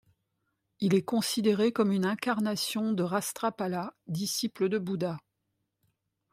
Il est considéré comme une incarnation de Rastrapala, disciple du Bouddha.